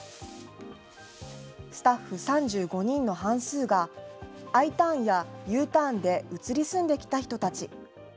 スタッフ３５人の半数が、ＩターンやＵターンで移り住んできた人たち。